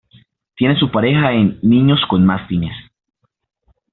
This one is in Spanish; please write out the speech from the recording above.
Tiene su pareja en "Niños con mastines".